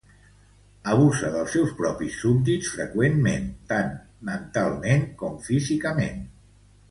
Abusa dels seus propis súbdits freqüentment tant mentalment com físicament.